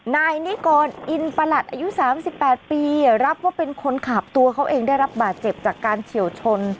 นายนิกรอินประหลัดอายุ๓๘ปีรับว่าเป็นคนขับตัวเขาเองได้รับบาดเจ็บจากการเฉียวชน